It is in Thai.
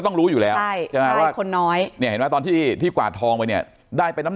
ต้องรู้อยู่แล้วคนน้อยตอนที่กวาดทองไปเนี่ยได้เป็นน้ำ